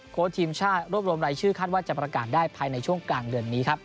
ทีมชาติรวบรวมรายชื่อคาดว่าจะประกาศได้ภายในช่วงกลางเดือนนี้ครับ